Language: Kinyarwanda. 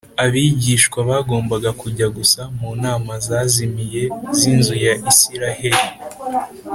abigishwa bagombaga kujya gusa “mu ntama zazimiye z’inzu ya isiraheri”